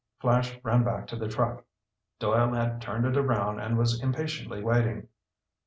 Flash ran back to the truck. Doyle had turned it around and was impatiently waiting.